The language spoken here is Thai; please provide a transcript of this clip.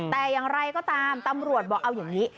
แต่อย่างไรก็ตามตำรวจบอกเอาอย่างนี้